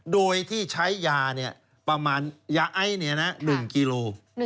โดยที่ใช้ยาเนี่ยประมาณยาไอ้เนี่ยนะ๑กิโล